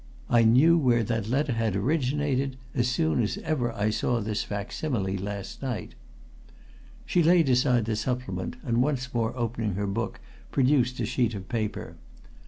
I knew where that letter had originated as soon as ever I saw this facsimile last night." She laid aside the supplement and once more opening her book produced a sheet of paper.